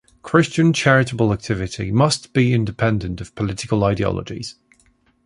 Christian charitable activity must be independent of political ideologies.